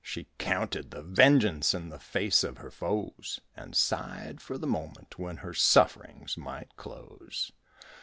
She counted the vengeance In the face of her foes And sighed for the moment When her sufferings might close.